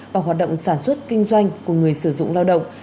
và hoạt động sản xuất kinh doanh của người sử dụng lao động